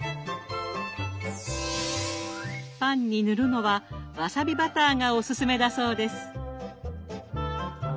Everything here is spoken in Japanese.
パンに塗るのはわさびバターがおすすめだそうです。